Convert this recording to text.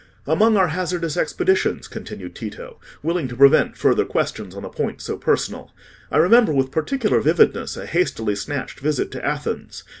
"Among our hazardous expeditions," continued Tito, willing to prevent further questions on a point so personal, "I remember with particular vividness a hastily snatched visit to Athens.